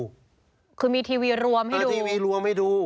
คือมีทีวีรวมให้ดูทีวีรวมให้ดู